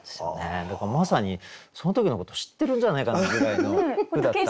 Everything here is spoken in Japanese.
だからまさにその時のこと知ってるんじゃないかなぐらいの句だったんで。